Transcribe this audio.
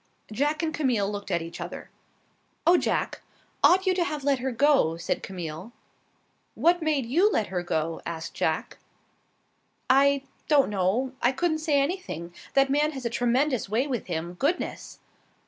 Jack and Camille looked at each other. "Oh, Jack, ought you to have let her go?" said Camille. "What made you let her go?" asked Jack. "I don't know. I couldn't say anything. That man has a tremendous way with him. Goodness!"